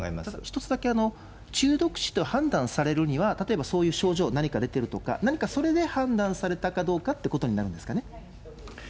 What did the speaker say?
一つだけ、中毒死と判断されるには、例えばそういう症状、何か出ているとか、何かそれで判断されたかどうかっていうことになるんですかね。